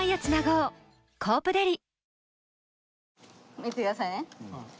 見てくださいね。